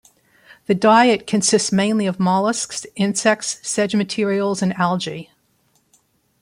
The diet consists mainly of mollusks, insects, sedge materials and algae.